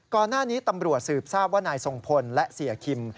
ก่อนหน้านี้ตำรวจสืบทราบว่านายทรงพลและเสียคิม